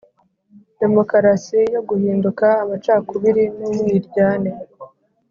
demokarasi yo guhinduka amacakubiri n umwiryane